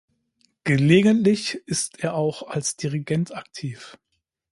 Gelegentlich ist er auch als Dirigent aktiv.